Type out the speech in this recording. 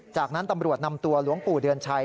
จากนั้นตำรวจนำตัวหลวงปู่เดือนชัย